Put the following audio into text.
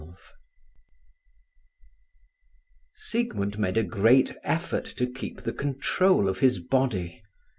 XII Siegmund made a great effort to keep the control of his body.